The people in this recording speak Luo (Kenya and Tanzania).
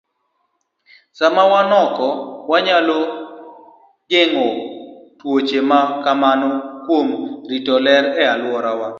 Sama wan oko, wanyalo geng'o tuoche ma kamago kuom rito ler e alworawa.